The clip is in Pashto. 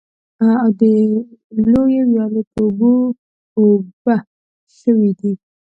او د لویې ويالې په اوبو اوبه شوي دي.